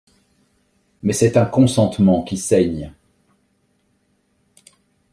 Mais c’est un consentement qui saigne.